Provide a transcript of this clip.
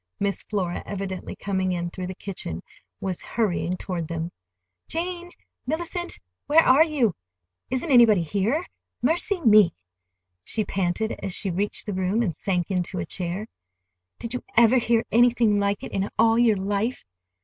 Miss Flora, evidently coming in through the kitchen, was hurrying toward them. "Jane—Mellicent—where are you? Isn't anybody here? Mercy me!" she panted, as she reached the room and sank into a chair. "Did you ever hear anything like it in all your life?